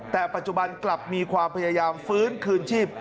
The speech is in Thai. แต่ปัจจุบันกลับมีความพยายามฟื้นคืนชีพ